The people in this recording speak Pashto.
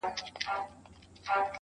پښتې ستري تر سترو، استثناء د يوې گوتي~